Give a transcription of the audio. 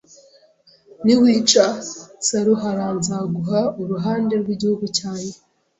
niwica Saruharanzaguha uruhande rw'igihugu cyanjye